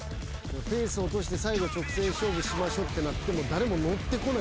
ペース落として最後直線勝負しましょってなっても誰も乗ってこない。